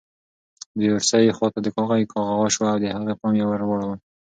د اورسۍ خواته د کاغۍ کغا شوه او د هغې پام یې ور واړاوه.